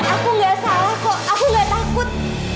aku tidak salah kok aku tidak takut